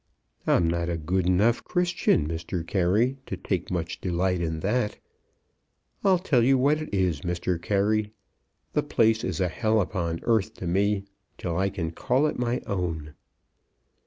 I'm not a good enough Christian, Mr. Carey, to take much delight in that. I'll tell you what it is, Mr. Carey. The place is a hell upon earth to me, till I can call it my own."